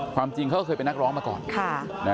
ความจริงเขาก็เคยเป็นนักร้องมาก่อน